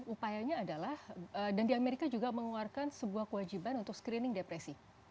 upayanya adalah dan di amerika juga mengeluarkan sebuah kewajiban untuk screening depresi